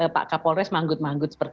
pak kak polres menggunakan